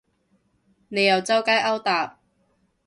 你又周街勾搭